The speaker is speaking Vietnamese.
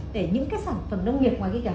để những sản phẩm nông nghiệp ngoài kia cả